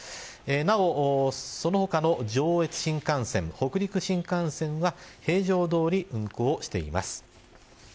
なお、その他の上越新幹線、北陸新幹線は平常どおり運行しています。